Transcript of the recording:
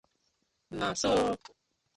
Na so ooo!